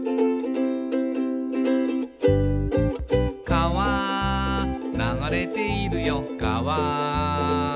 「かわ流れているよかわ」